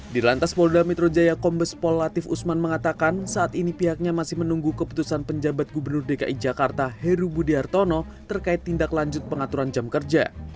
di lantas polda metro jaya kombes pol latif usman mengatakan saat ini pihaknya masih menunggu keputusan penjabat gubernur dki jakarta heru budi hartono terkait tindak lanjut pengaturan jam kerja